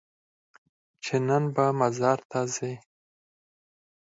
چې نن به مزار ته ځې؟